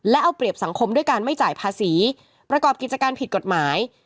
และเอาเปรียบสังคมด้วยการไม่จ่ายภาษีประกอบกิจการผิดกฎหมาย